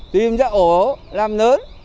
tìm ra ổ làm lớn